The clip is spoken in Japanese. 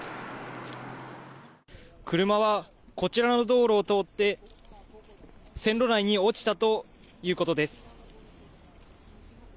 車はこちらの道路を通って、線路内に落ちたということです。